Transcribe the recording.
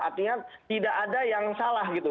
artinya tidak ada yang salah gitu